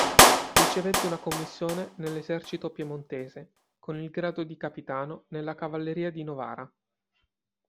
Ricevette una commissione nell'esercito piemontese con il grado di capitano nella cavalleria di Novara.